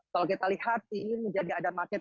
kalau kita lihat ini menjadi ada market